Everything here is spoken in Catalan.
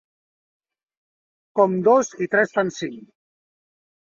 Com dos i tres fan cinc.